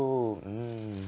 うん。